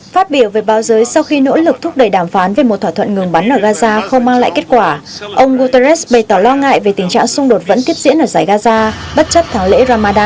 phát biểu về báo giới sau khi nỗ lực thúc đẩy đàm phán về một thỏa thuận ngừng bắn ở gaza không mang lại kết quả ông guterres bày tỏ lo ngại về tình trạng xung đột vẫn tiếp diễn ở giải gaza bất chấp tháng lễ ramadan